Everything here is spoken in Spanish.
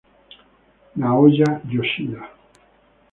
Naoya Yoshida